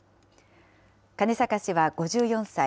金坂氏は５４歳。